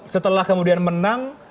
setelah kemudian menang